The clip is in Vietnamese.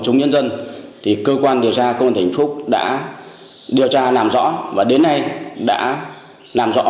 chúng nhân dân thì cơ quan điều tra công an tỉnh vĩnh phúc đã điều tra làm rõ và đến nay đã làm rõ